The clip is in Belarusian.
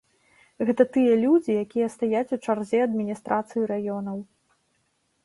Гэта тыя людзі, якія стаяць у чарзе адміністрацыі раёнаў.